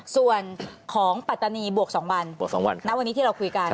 ส่วนของปัตตานีบวก๒วันบวก๒วันณวันนี้ที่เราคุยกัน